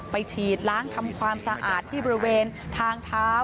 ฉีดล้างทำความสะอาดที่บริเวณทางเท้า